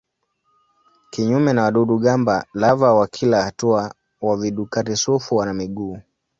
Kinyume na wadudu-gamba lava wa kila hatua wa vidukari-sufu wana miguu.